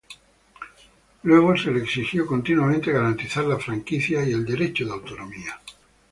Luego, se le exigió continuamente garantizar la franquicia y el derecho de autonomía.